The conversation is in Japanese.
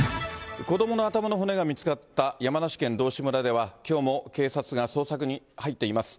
子どもの頭の骨が見つかった山梨県道志村では、きょうも警察が捜索に入っています。